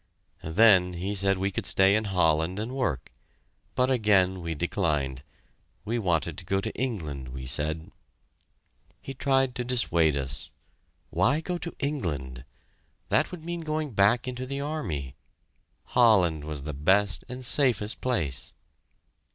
Then he said we could stay in Holland and work, but again we declined. We wanted to go to England, we said. He tried to dissuade us. Why go to England? That would mean going back into the army. Holland was the best and safest place!